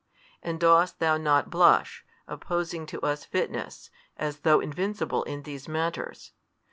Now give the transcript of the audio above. and dost thou not blush, opposing to us fitness, as though invincible in these matters?